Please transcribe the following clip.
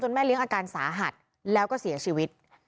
แม่เลี้ยงอาการสาหัสแล้วก็เสียชีวิต